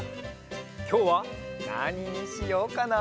きょうはなににしようかな？